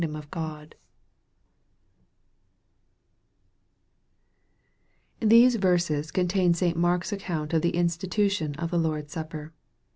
307 THESE verses contain St. Mark's account of the insti tution of the Lord's Supper.